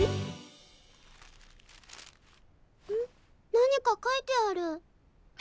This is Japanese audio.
何か書いてある。